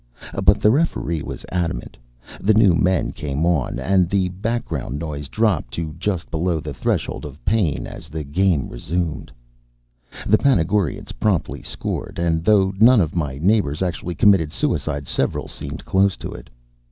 But the referee was adamant, the new men came on, and the background noise dropped to just below the threshold of pain as the game re sumed. 73 The Panagurans promptly scored, and though none of my neighbors actually committed suicide, several seemed close to it.